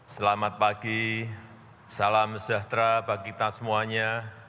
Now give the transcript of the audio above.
selamat pagi salam sejahtera bagi kita semuanya